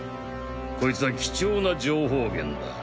コイツは貴重な情報源だ。